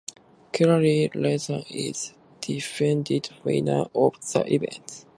Kyle Larson is the defending winner of the event.